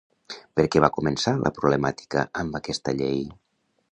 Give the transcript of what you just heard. Per què va començar la problemàtica amb aquesta llei?